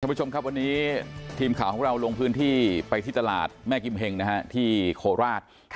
สวัสดีคุณผู้ชมครับวันนี้ทีมข่าวของเราลงพื้นที่ไปที่ตลาดแม่กิมเพ็งที่โคลาศ